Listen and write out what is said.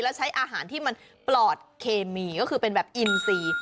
แล้วใช้อาหารที่มันปลอดเคมีก็คือเป็นแบบอินซี